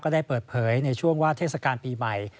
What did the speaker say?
ได้เปิดเผยในช่วงว่าเทศกาลปีใหม่